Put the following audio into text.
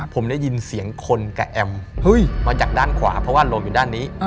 ผมได้ยินเสียงคนกับแอมมาจากด้านขวาเพราะว่าลมอยู่ด้านนี้